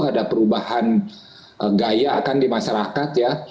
ada perubahan gaya kan di masyarakat ya